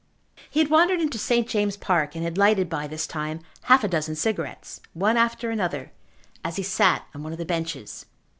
He had wandered into St. James's Park, and had lighted by this time half a dozen cigarettes one after another, as he sat on one of the benches.